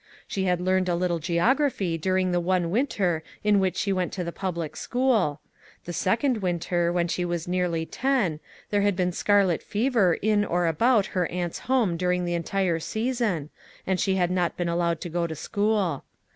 She had learned a little geography during the one winter in which she went to the public school. The second winter, when she was nearly ten, there had been scarlet fever in, or about, her aunt's home during the entire season, and she had not been allowed to go to school.